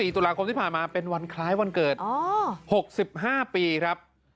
๔ตุลาคมที่ผ่านมาเป็นวันคล้ายวันเกิด๖๕ปีครับ